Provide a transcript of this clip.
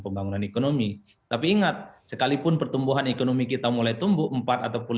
pembangunan ekonomi tapi ingat sekalipun pertumbuhan ekonomi kita mulai tumbuh empat ataupun